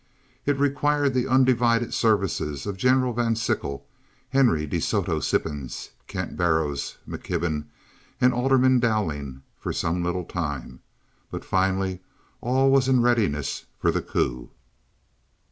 It required the undivided services of General Van Sickle, Henry De Soto Sippens, Kent Barrows McKibben, and Alderman Dowling for some little time. But finally all was in readiness for the coup.